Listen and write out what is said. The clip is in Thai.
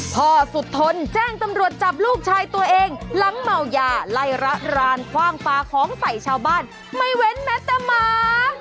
สุดทนแจ้งตำรวจจับลูกชายตัวเองหลังเมายาไล่ระรานคว่างปลาของใส่ชาวบ้านไม่เว้นแม้แต่หมา